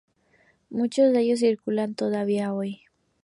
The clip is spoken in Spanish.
Muchos de ellos circulan todavía hoy.